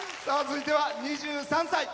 続いては２３歳。